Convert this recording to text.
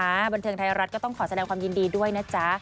บันเทิงไทยรัฐก็ต้องขอแสดงความยินดีด้วยนะจ๊ะ